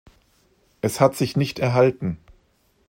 Es hat sich nicht erhalten.